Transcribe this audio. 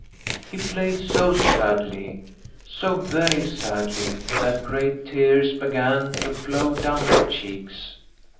He played so sadly, so very sadly, that great tears began to flow down her cheeks.